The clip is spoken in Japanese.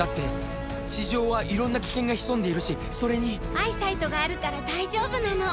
アイサイトがあるから大丈夫なの！